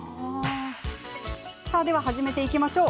では始めていきましょう。